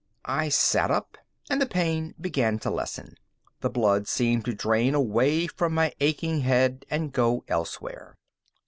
I sat up, and the pain began to lessen. The blood seemed to drain away from my aching head and go elsewhere.